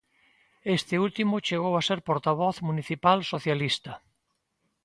Este último chegou a ser portavoz municipal socialista.